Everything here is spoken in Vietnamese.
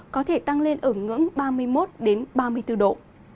có thể tăng lên ở ngưỡng ba mươi một ba mươi bốn độ